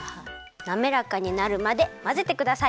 なめらかになるまでまぜてください。